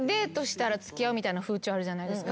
あるじゃないですか。